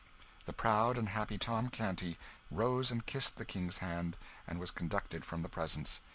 The proud and happy Tom Canty rose and kissed the King's hand, and was conducted from the presence.